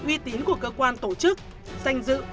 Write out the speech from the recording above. uy tín của cơ quan tổ chức danh dự